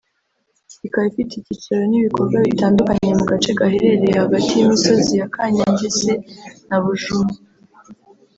ikaba ifite icyicaro n’ibikorwa bitandukanye mu gace gaherereye hagati y’imisozi ya Kanyangese na Bujumo